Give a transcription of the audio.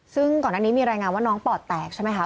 ซึ่งก่อนอันนี้มีรายงานว่าน้องปอดแตกใช่ไหมคะ